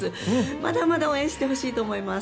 まだまだ応援してほしいと思います。